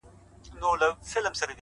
زه څه وکړم ستا ومنم د ژونده لاس په سر شم